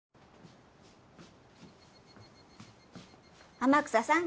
天草さん